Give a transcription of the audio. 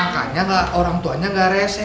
makanya orangtuanya ga resen